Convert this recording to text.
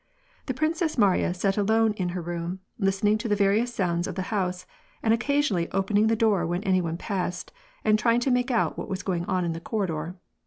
The Princess Marya sat alone in her room listening to the various sounds in the house, and occasionally opening the door when any one passed, and trying to make out what was going on in the corridor.